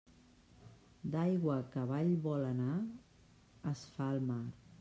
D'aigua que avall vol anar, es fa el mar.